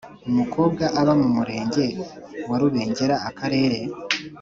umukobwa uba mu Murenge wa Rubengera Akarere